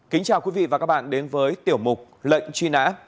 kính chào quý vị và các bạn đến với tiểu mục lệnh truy nã